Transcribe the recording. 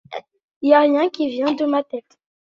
Y'a rien qui vient de ma tête.